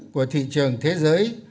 của thị trường thế giới